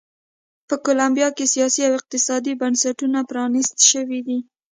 په کولمبیا کې سیاسي او اقتصادي بنسټونه پرانیست شوي دي.